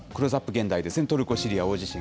現代ですね、トルコ・シリア大地震。